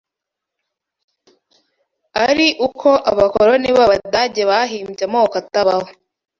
ari uko abakoloni b‘Abadage bahimbye amoko atabaho,